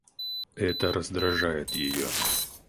Это раздражает ее.